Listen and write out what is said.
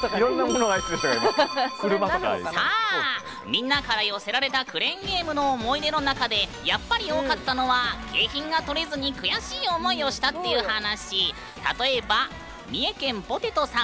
みんなから寄せられたクレーンゲームの思い出の中でやっぱり多かったのは景品が取れずに悔しい思いをしたって話。